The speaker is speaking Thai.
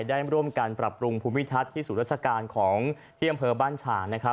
ได้ร่วมกันปรับปรุงภูมิทัศน์ที่ศูนย์ราชการของที่อำเภอบ้านฉางนะครับ